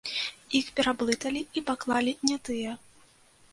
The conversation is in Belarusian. Іх пераблыталі, і паклалі не тыя.